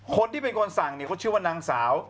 คนที่เป็นคนสั่งเนี่ยเขาชื่อว่านางสาว